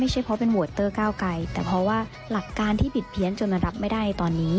หลักการที่ผิดเพี้ยนจนรับไม่ได้ตอนนี้